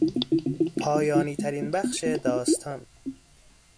پایانیترین بخش داستان